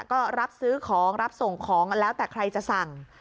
ก็รับซื้อของรับส่งของแล้วแต่ใครจะสั่ง